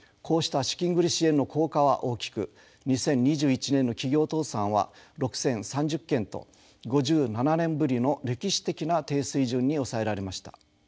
こうした資金繰り支援の効果は大きく２０２１年の企業倒産は６，０３０件と５７年ぶりの歴史的な低水準に抑えられました。